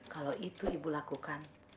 kalau itu ibu lakukan